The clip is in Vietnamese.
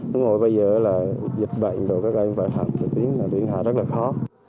hồi bây giờ là dịch bệnh rồi các em phải học trực tuyến là điện hạ rất là khó